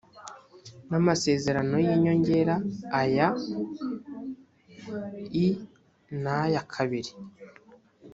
n amasezerano y inyongera aya i n aya kabiri